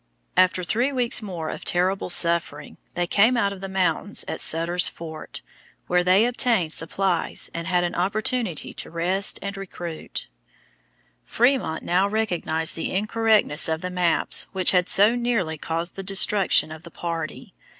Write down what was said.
After three weeks more of terrible suffering they came out of the mountains at Sutter's Fort, where they obtained supplies and had an opportunity to rest and recruit. [Illustration: FIG. 50. FRÉMONT PEAK, MOHAVE DESERT] Frémont now recognized the incorrectness of the maps which had so nearly caused the destruction of the party.